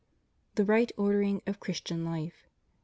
THE RIGHT ORDERING OF CHRISTIAN LIFE.